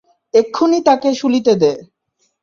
এক্ষুণি তাকে শূলিতে দে।